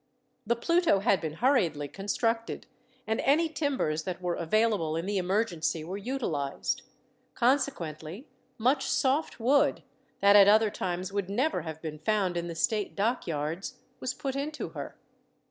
The Pluto had been hurriedly constructed, and any timbers that were available in the emergency were utilized. Consequently much soft wood, that at other times would never have been found in the state dockyards, was put into her.